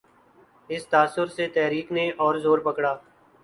اس تاثر سے تحریک نے اور زور پکڑا۔